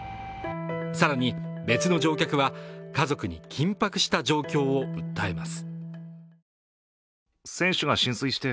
更に、別の乗客は家族に緊迫した状況を訴えます。